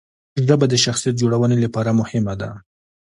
ژبه د شخصیت جوړونې لپاره مهمه ده.